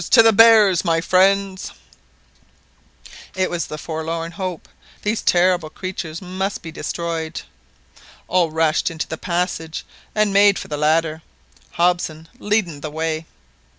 to the bears, my friends !" It was the forlorn hope. These terrible creatures must be destroyed. All rushed into the passage and made for the ladder, Hobson leading the way.